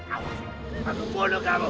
aku bunuh kamu